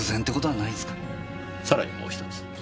さらにもう１つ。